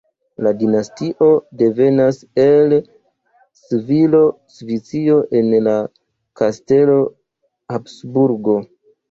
La dinastio devenas el Svisio en la kastelo Habsburgo.